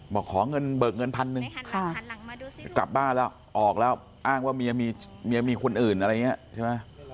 บอกขาวเงินเบิกเงินพันหนึ่งกลับบ้านออกแล้วอ้างว่ามียังมีคนอื่นใช่ไหม